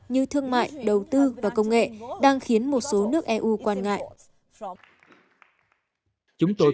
như thương mại đầu tư và công nghệ đang khiến một số nước eu quan ngại